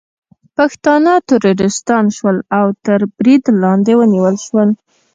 پښتانه ترورستان شول او تر برید لاندې ونیول شول